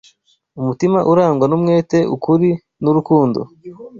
umutima urangwa n’umwete, ukuri n’urukundo